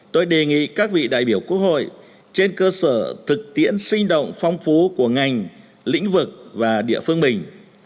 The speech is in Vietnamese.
tôi đề nghị các vị đại biểu quốc hội trên cơ sở thực tiễn sinh động phong phú của ngành lĩnh vực và địa phương mình